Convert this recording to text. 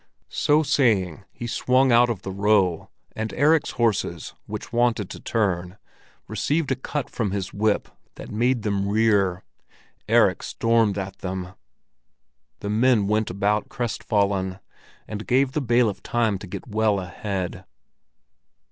So saying he swung out of the row, and Erik's horses, which wanted to turn, received a cut from his whip that made them rear. Erik stormed at them. The men went about crestfallen, and gave the bailiff time to get well ahead.